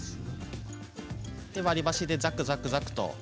割り箸でざくざくざくっと。